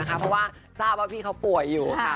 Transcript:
เพราะว่าทราบว่าพี่เขาป่วยอยู่ค่ะ